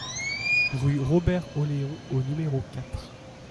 Rue Robert Oléon au numéro quatre